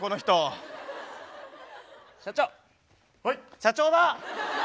社長だ！